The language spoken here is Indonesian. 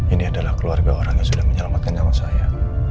ini adalah keluarga orang yang sudah menyelamatkan nyawa saya